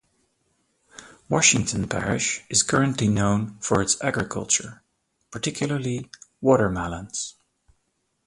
Washington Parish is currently known for its agriculture, particularly watermelons.